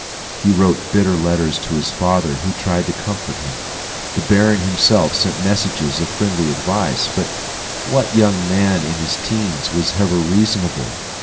He wrote bitter letters to his father, who tried to comfort him. The baron himself sent messages of friendly advice, but what young man in his teens was ever reasonable?